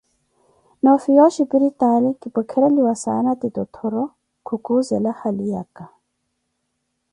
Noofiya oshiripitaali, kipwekereliwa saana ti tottoro, khukuuzela haliyake.